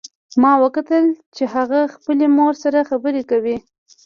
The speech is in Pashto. ما وکتل چې هغه خپلې مور سره خبرې کوي